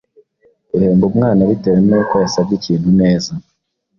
uhemba umwana bitewe n’uko yasabye ikintu neza